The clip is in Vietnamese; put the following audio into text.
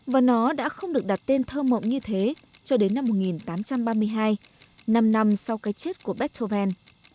và nó đã không được đặt tên thơ mộng như thế cho đến năm một nghìn tám trăm ba mươi hai năm năm sau cái chết của beethoven